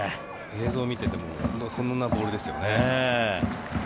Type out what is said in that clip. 映像を見ていてもそんなボールですよね。